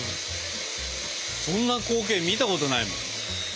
そんな光景見たことないもん。